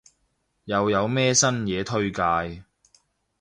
又有咩新嘢推介？